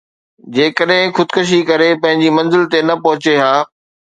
جيڪڏهن خودڪشي ڪري پنهنجي منزل تي نه پهچي ها